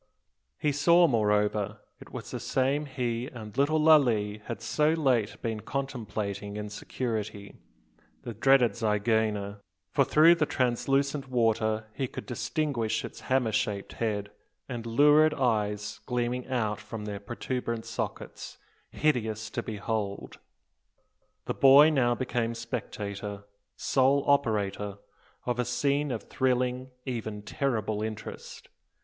He saw, moreover, it was the same he and little Lalee had so late been contemplating in security, the dreaded zygaena: for through the translucent water he could distinguish its hammer shaped head, and lurid eyes gleaming out from their protuberant sockets, hideous to behold! The boy now became spectator, sole spectator, of a scene of thrilling, even terrible interest.